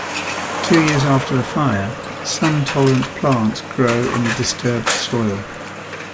Two years after the fire, sun tolerant plants grow in the disturbed soil.